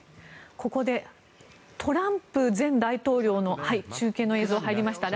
ここでトランプ前大統領の中継の映像が入りました。